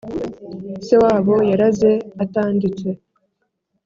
se wabo yaraze atanditse,